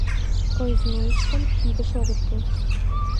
Проезднойыштым кидыш огыт пу.